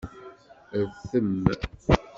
Rtem.